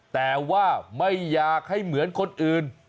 แต่ว่าไม่อยากให้เหมือนคนอื่น